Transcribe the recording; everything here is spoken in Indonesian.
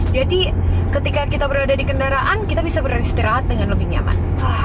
jadi ketika kita berada di kendaraan kita bisa beristirahat dengan lebih nyaman